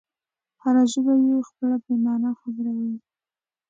هره ژبه یې خپله بې مانا خبره وایي.